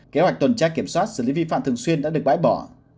kế hoạch tuần tra kiểm soát xử lý vi phạm thường xuyên đã được bãi bỏ